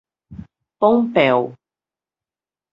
Pompéu